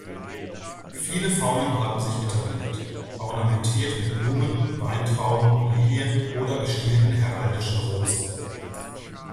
Viele Formen haben sich etabliert: ornamentiert mit Blumen, Weintrauben, Lilien oder gestielten heraldischen Rosen.